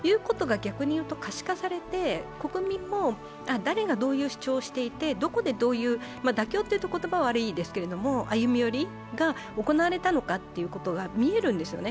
逆に言うと可視化されて、国民も誰がどういう主張をしていて、どこでどういう、妥協というと言葉は悪いけど、歩み寄りが行われたかということが見えるんですよね、